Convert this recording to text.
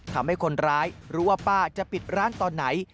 ทำให้คนร้ายรู้ว่าป้าจะปิดร้านตอนไหน